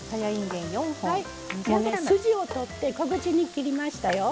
筋を切って小口に切りましたよ。